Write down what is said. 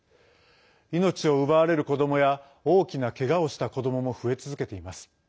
命を奪われる子どもや大きなけがをした子どもも増え続けています。